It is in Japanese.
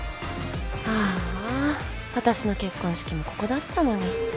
ああ私の結婚式もここだったのに。